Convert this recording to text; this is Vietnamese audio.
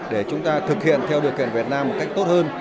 để chúng ta thực hiện theo điều kiện việt nam một cách tốt hơn